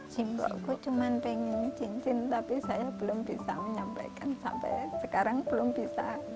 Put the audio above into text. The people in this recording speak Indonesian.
simbolku cuma pengen cincin tapi saya belum bisa menyampaikan sampai sekarang belum bisa